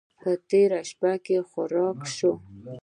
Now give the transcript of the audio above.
په تورې شپې خوراک شو.